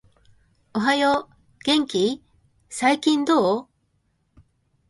おはよう、元気ー？、最近どう？？